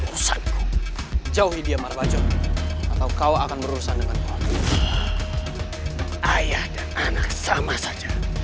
urusan jauhi dia marwajo kau akan merusak dengan ayah dan anak sama saja